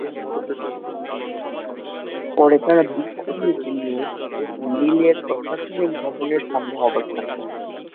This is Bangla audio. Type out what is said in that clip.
পরে তাঁরা বিক্ষোভ মিছিল নিয়ে মিলের প্রশাসনিক ভবনের সামনে অবস্থান করেন।